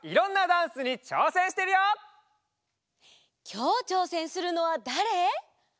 きょうちょうせんするのはだれ？